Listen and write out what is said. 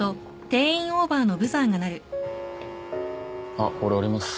あっ俺降ります。